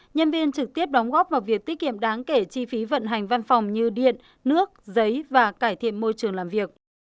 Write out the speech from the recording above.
nhân viên trực tiếp đóng góp vào việc tiết kiệm đáng kể chi phí vận hành văn phòng như điện nước giấy và cải thiện môi trường làm việc